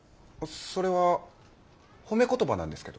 それは褒め言葉なんですけど。